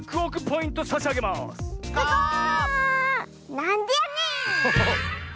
なんでやねん！